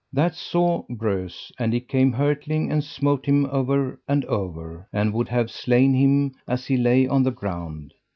That saw Breuse and he came hurtling, and smote him over and over, and would have slain him as he lay on the ground.